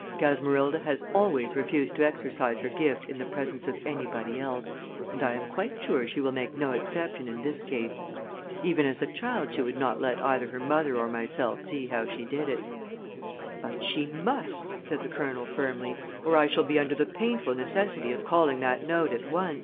Gasmerilda has always refused to exercise her gift in the presence of anybody else, and I am quite sure she will make no exception in this case. Even as a child she would not let either her mother or myself see how she did it." "But she must," said the Colonel, firmly, "or I shall be under the painful necessity of calling that note at once."